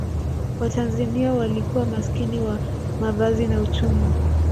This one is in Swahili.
watanzania walikuwa maskini wa mavazi na uchumi